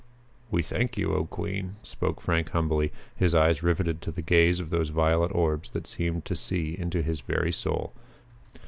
"We thank you, oh, Queen," spoke Frank humbly, his eyes rivetted to the gaze of those violet orbs that seemed to see into his very soul.